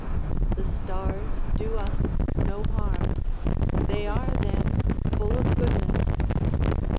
The stars do us no harm; they are then full of goodness.